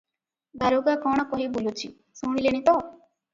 ଦାରୋଗା କଣ କହି ବୁଲୁଚି, ଶୁଣିଲେଣି ତ?